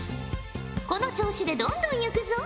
この調子でどんどんゆくぞ。